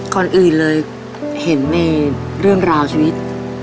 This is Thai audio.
ก่อนอื่นเลยเห็นในเรื่องราวชีวิต